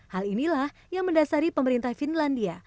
hal inilah yang mendasari pemerintah finlandia